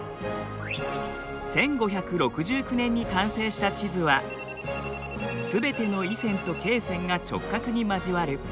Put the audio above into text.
１５６９年に完成した地図は「すべての緯線と経線が直角に交わる。